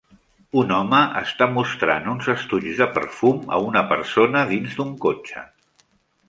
Un home està mostrant uns estoigs de perfum a una persona dins d'un cotxe